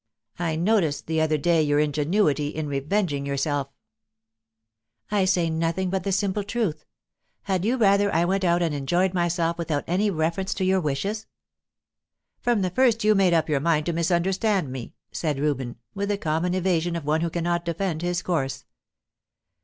"I noticed the other day your ingenuity in revenging yourself." "I say nothing but the simple truth. Had you rather I went out and enjoyed myself without any reference to your wishes?" "From the first you made up your mind to misunderstand me," said Reuben, with the common evasion of one who cannot defend his course.